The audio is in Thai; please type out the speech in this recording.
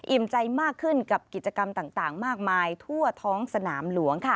ใจมากขึ้นกับกิจกรรมต่างมากมายทั่วท้องสนามหลวงค่ะ